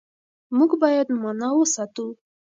موږ بايد مانا وساتو.